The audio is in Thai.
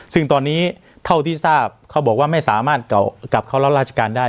ซึ่งตอนนี้เท่าที่ทราบเขาบอกว่าไม่สามารถกลับเข้ารับราชการได้